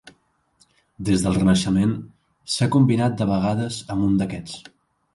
Des del Renaixement, s'ha combinat de vegades amb un d'aquests.